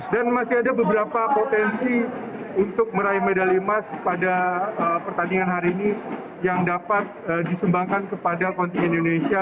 dan masih ada beberapa potensi untuk meraih medali emas pada pertandingan hari ini yang dapat disembangkan kepada konti indonesia